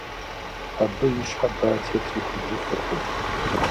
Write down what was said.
Абы и щхьэ бадзэ трихужыфыркъым.